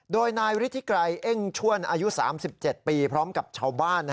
โดยนายฤทธิไกรเอ้งชวนอายุ๓๗ปีพร้อมกับชาวบ้าน